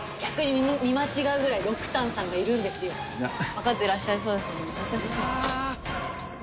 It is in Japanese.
分かってらっしゃいそうですもんね。